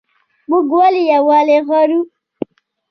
موږ ولې یووالی غواړو؟